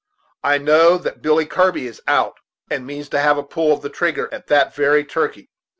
I know that Billy Kirby is out, and means to have a pull of the trigger at that very turkey.